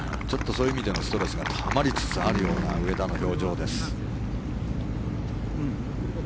ちょっとそういう意味でのストレスがたまりつつあるような上田の表情です。